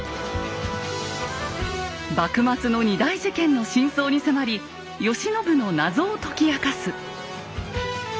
幕末の２大事件の真相に迫り慶喜の謎を解き明かす。